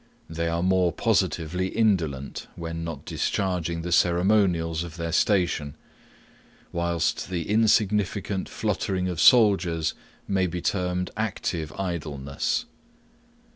They are more positively indolent, when not discharging the ceremonials of their station; whilst the insignificant fluttering of soldiers may be termed active idleness.